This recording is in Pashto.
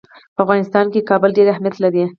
په افغانستان کې کابل ډېر اهمیت لري.